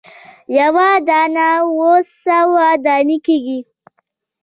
یوه دانه اووه سوه دانې کیږي.